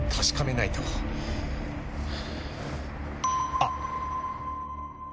あっ！